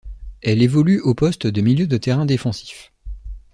Elle évolue au poste de milieu de terrain défensif.